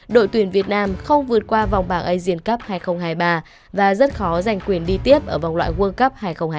đội tuyển việt nam không vượt qua vòng bảng asian cup hai nghìn hai mươi ba và rất khó giành quyền đi tiếp ở vòng loại world cup hai nghìn hai mươi bốn